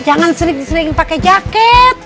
jangan sering sering pakai jaket